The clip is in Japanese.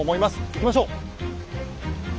いきましょう！